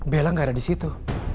bella gak ada disitu